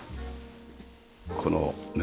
このね